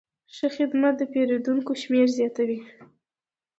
ښه خدمت د پیرودونکو شمېر زیاتوي.